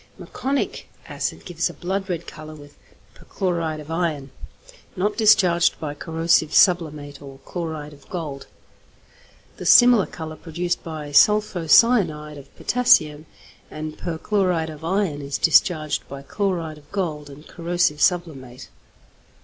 Meconic acid gives a blood red colour with perchloride of iron, not discharged by corrosive sublimate or chloride of gold. The similar colour produced by sulpho cyanide of potassium and perchloride of iron is discharged by chloride of gold and corrosive sublimate.